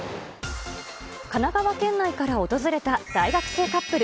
神奈川県内から訪れた大学生カップル。